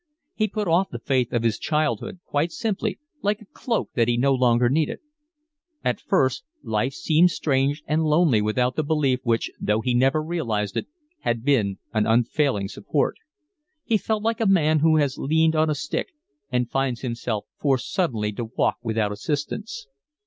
He put off the faith of his childhood quite simply, like a cloak that he no longer needed. At first life seemed strange and lonely without the belief which, though he never realised it, had been an unfailing support. He felt like a man who has leaned on a stick and finds himself forced suddenly to walk without assistance.